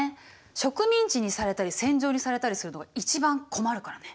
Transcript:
植民地にされたり戦場にされたりするのが一番困るからね。